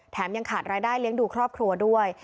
ยังขาดรายได้เลี้ยงดูครอบครัวด้วย